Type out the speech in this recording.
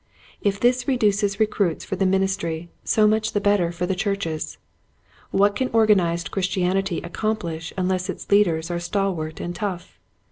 If this reduces recruits for the ministry so much the better for the churches. What can organized Chris tianity accomplish unless its leaders are stalwart and tough?